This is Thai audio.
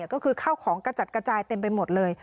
ก็คือข้าวของกระจัดกระจายเต็มไปหมดเลย